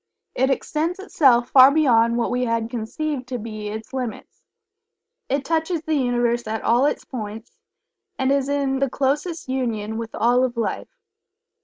It extends itself far beyond what we had conceived to be its limits. It touches the Universe at all its points, and is in the closest union with all of Life.